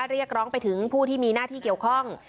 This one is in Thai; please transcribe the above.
เรียกร้องไปถึงผู้ที่มีหน้าที่เกี่ยวข้อง